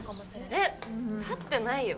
えったってないよ。